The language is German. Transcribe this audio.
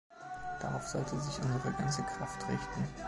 Darauf sollte sich unsere ganze Kraft richten.